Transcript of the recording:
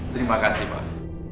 terima kasih pak